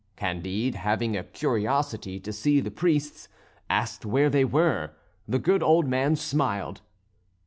Candide having a curiosity to see the priests asked where they were. The good old man smiled.